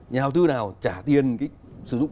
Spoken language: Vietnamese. nhà đầu tư nào trả tiền sử dụng